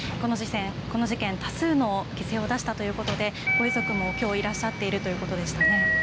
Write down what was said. この事件、多数の犠牲を出したということでご遺族もきょういらっしゃっているということでしたね。